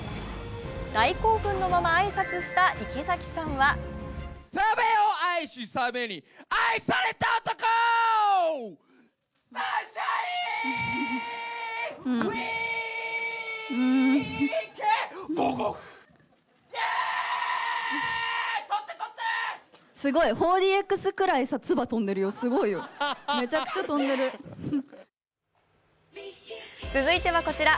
大興奮のまま挨拶した池崎さんは続いてはこちら。